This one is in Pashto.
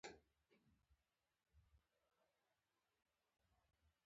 • د برېښنا لوړ ولټاژ خطرناک دی.